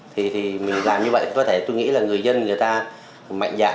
thì mình làm như vậy có thể tôi nghĩ là người dân người ta mạnh dạng